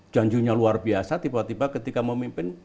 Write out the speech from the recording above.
janjinya luar biasa tiba tiba ketika memimpin